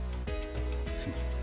すいません。